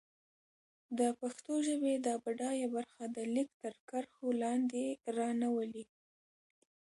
د پښتو ژبې دا بډايه برخه د ليک تر کرښو لاندې را نه ولي.